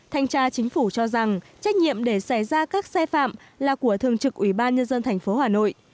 thanh tra chính phủ cho rằng trách nhiệm để xảy ra các sai phạm là của thường trực ủy ban nhân dân tp hà nội